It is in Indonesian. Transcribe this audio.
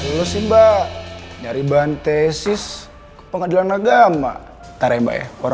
kalau lama fastest plugging kickoff berharga rusia gue buat bagian apa semua